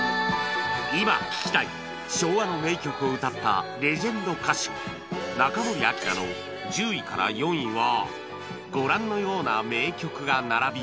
今聴きたい昭和の名曲を歌ったレジェンド歌手中森明菜の１０位から４位はご覧のような名曲が並び